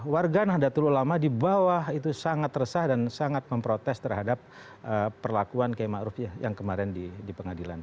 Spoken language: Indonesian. warga nahdlatul ulama di bawah itu sangat resah dan sangat memprotes terhadap perlakuan ki ma'ruf yang kemarin di pengadilan